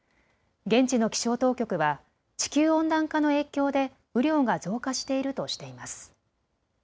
現地の気象当局は地球温暖化の影響で雨量が増加しているとしています。